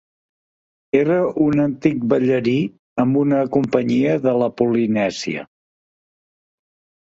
Era un antic ballarí amb una companyia de la Polinèsia.